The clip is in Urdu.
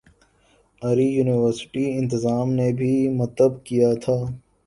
اری یونیورسٹی انتظام نے بھی متب کیا تھا